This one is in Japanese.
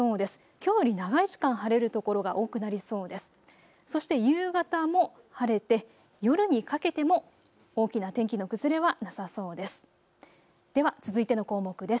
きょうより長い時間晴れる所が多くなりそうです。